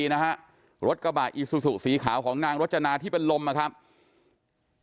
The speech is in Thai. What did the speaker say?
จนกระทั่งหลานชายที่ชื่อสิทธิชัยมั่นคงอายุ๒๙เนี่ยลูกชายของพี่สาวเนี่ยรู้ว่าแม่เนี่ยเช้าวันนี้จะมาฉีดวัคซีนโควิดเลยมาดักรอแม่อยู่เขาจะพาแม่กลับบ้าน